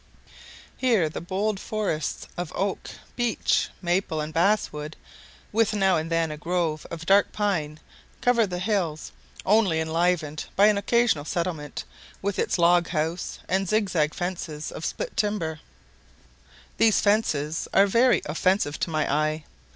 Here the bold forests of oak, beech, maple, and bass wood, with now and then a grove of dark pine, cover the hills, only enlivened by an occasional settlement, with its log house and zig zag fences of split timber: these fences are very offensive to my eye.